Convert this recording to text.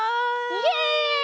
イエイ！